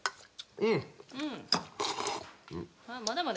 うん？